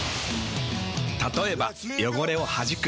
たとえば汚れをはじく。